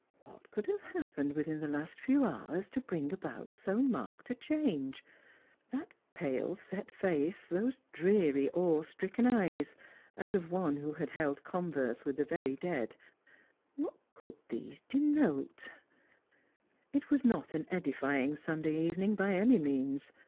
What could have happened within the last few hours to bring about so marked a change P That pale set face, those dreary Strangers and Pilgrims. 291 awe stricken eyes, as of one who had held converse with the very dead — what could these denote P It was not an edifying Sunday evening by any means.